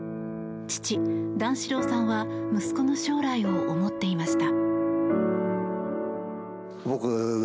父・段四郎さんは息子の将来を思っていました。